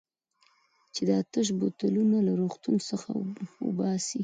چې دا تش بوتلونه له روغتون څخه وباسي.